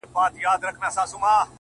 شكر چي ښكلا يې خوښــه ســوېده!!